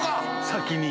先に。